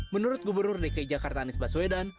menurut gubernur dki jakarta anies baswedan